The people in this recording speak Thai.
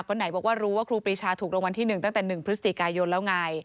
ก็ไหนบอกว่ารู้ว่าครูปรีชาถูกรางวัลที่๑ตั้งแต่๑พฤศจิกายนแล้วไง